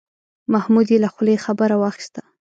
محمود یې له خولې خبره واخیسته.